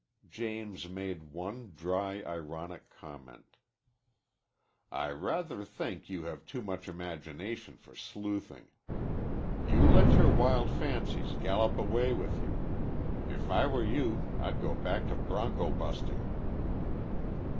James made one dry, ironic comment. "I rather think you have too much imagination for sleuthing. You let your wild fancies gallop away with you. If I were you I'd go back to bronco busting."